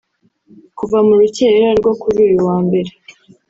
kuva mu rukerera rwo kuri uyu wa mbere